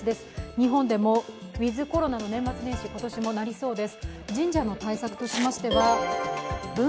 日本でもウィズコロナの年末年始、今年はなりそうです。